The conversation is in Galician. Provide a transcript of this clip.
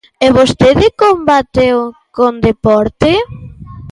E vostede combáteo con deporte?